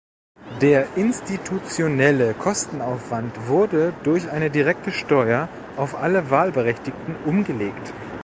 Der institutionelle Kostenaufwand wurde durch eine direkte Steuer auf alle Wahlberechtigten umgelegt.